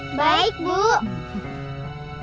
ibu ayo kita masuk ke dalam